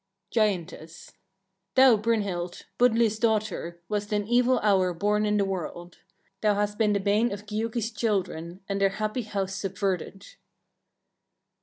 Giantess. 4. "Thou, Brynhild! Budli's daughter! wast in evil hour born in the world; thou hast been the bane of Giuki's children, and their happy house subverted."